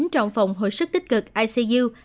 trong phòng hồi sức tích cực icu